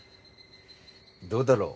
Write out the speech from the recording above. どうだろう？